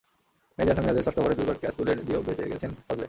মেহেদী হাসান মিরাজের ষষ্ঠ ওভারে দুইবার ক্যাচ তুলে দিয়েও বেঁচে গেছেন ফজলে।